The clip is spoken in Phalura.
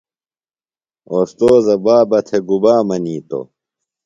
اوستوذہ بابہ تھےۡ گُبا منِیتوۡ؟